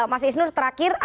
mas isnur terakhir